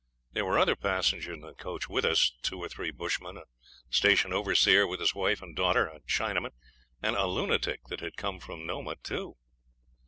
There were other passengers in the coach with us. Two or three bushmen, a station overseer with his wife and daughter, a Chinaman, and a lunatic that had come from Nomah, too.